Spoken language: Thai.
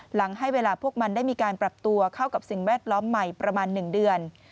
หลังให้เวลาพวกมันได้มีการปรับตัวเข้ากับสิ่งแวดล้อมใหม่ประมาณ๑เดือน